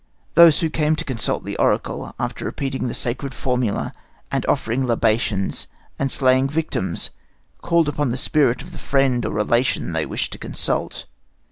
Those who came to consult the oracle, after repeating the sacred formula and offering libations and slaying victims, called upon the spirit of the friend or relation they wished to consult.